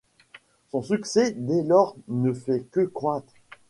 Son succès dès lors ne fait que croître.